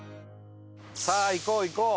さあ行こう行こう！